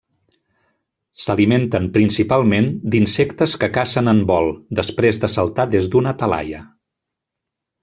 S'alimenten principalment d'insectes que cacen en vol, després de saltar des d'una talaia.